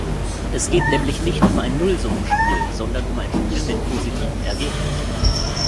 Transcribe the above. Es geht nämlich nicht um ein Nullsummenspiel, sondern um ein Spiel mit positivem Ergebnis.